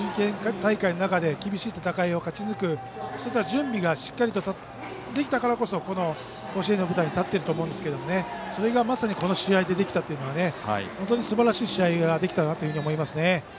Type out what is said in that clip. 厳しい大会を勝ち抜く準備がしっかりとできたからこそ甲子園の舞台に立っていると思いますがそれがまさにこの試合でできたのは本当にすばらしい試合ができたと思います。